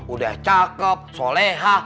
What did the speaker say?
udah cakep soleha